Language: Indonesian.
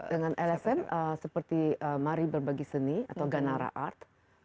dengan lsm seperti mari berbagi seni atau ganara art